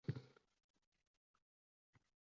Oʻt yoqib oʻtirgani aks etgan rasm ijtimoiy tarmoqda bor